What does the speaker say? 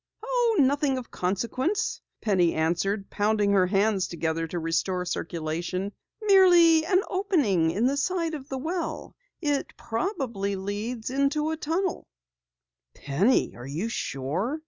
"Oh, nothing of consequence," Penny answered, pounding her hands together to restore circulation. "Merely an opening in the side of the well. It probably leads into a tunnel." "Penny! Are you sure?"